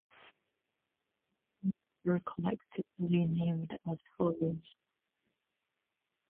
The Kings are collectively named as follows.